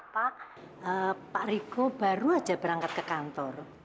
pak riko baru saja berangkat ke kantor